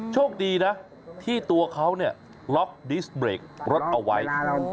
โชคดีนะที่ตัวเขาเนี่ยล็อกดิสเบรกรถเอาไว้